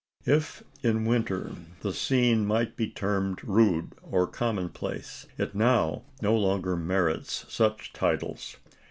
If in winter the scene might be termed rude or commonplace, it now no longer merits such titles.